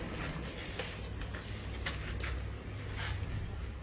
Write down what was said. จำมันใจต่างจากตอนนี้